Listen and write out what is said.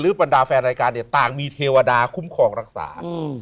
หรือปัญดาแฟนรายการต่างมีเทวดาคุ้มของรักษา